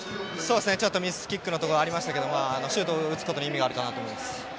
ミスキックのところがありましたけどシュートを打つことに意味があるのかなと思います。